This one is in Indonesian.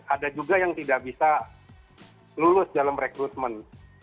ada juga yang tidak bisa lulus dalam rekrutmen